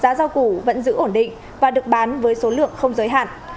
giá rau củ vẫn giữ ổn định và được bán với số lượng không giới hạn